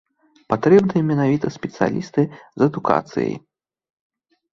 Патрэбныя менавіта спецыялісты з адукацыяй.